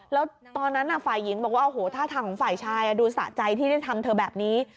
แล้วตอนนั้นฝ่ายหญิงบอกว่าโอ้โหท่าทางของฝ่ายชายดูสะใจที่ได้ทำเธอแบบนี้